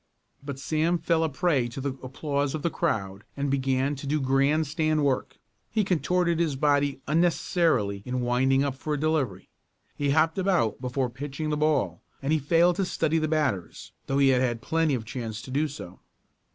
But Sam fell a prey to the applause of the crowd and began to do "grandstand" work. He contorted his body unnecessarily in winding up for a delivery. He hopped about before pitching the ball and he failed to study the batters, though he had had plenty of chance to do so.